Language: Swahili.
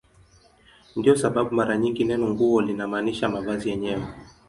Ndiyo sababu mara nyingi neno "nguo" linamaanisha mavazi yenyewe.